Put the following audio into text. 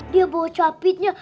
dia bawa cabutnya